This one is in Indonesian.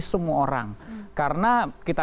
semua orang karena kita